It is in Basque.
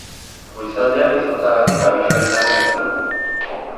Goizaldean izotzagatik abisua indarrean izan da.